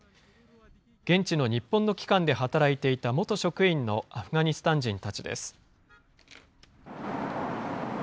現地の日本の機関で働いていた元職員のアフガニスタン人たちです。